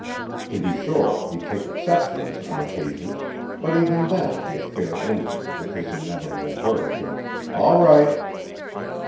To be sure he took exceptions, on occasions, but even then the affair ended with his inevitable verdict of 'all right'.